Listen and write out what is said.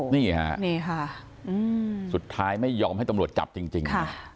นี่ค่ะนี่ค่ะสุดท้ายไม่ยอมให้ตำรวจจับจริง